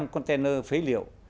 container phế liệu